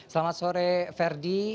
selamat sore ferdi